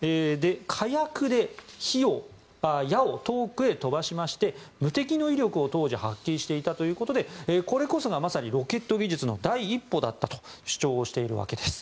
火薬で矢を遠くへ飛ばしまして無敵の威力を当時、発揮していたということでこれこそがまさにロケット技術の第一歩だったと主張をしているわけです。